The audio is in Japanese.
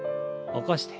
起こして。